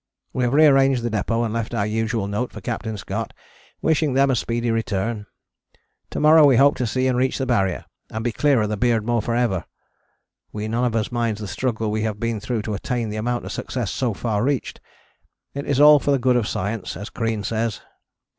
We have re arranged the depôt and left our usual note for Capt. Scott, wishing them a speedy return. To morrow we hope to see and reach the Barrier, and be clear of the Beardmore for ever. We none of us minds the struggle we have been through to attain the amount of success so far reached. It is all for the good of science, as Crean says.